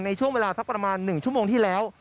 ช่วงเวลาสักประมาณ๑ชั่วโมงที่แล้ว